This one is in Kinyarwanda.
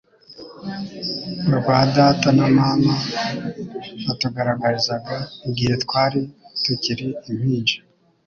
urwa data na mama batugaragarizaga igihe twari tukiri impinja.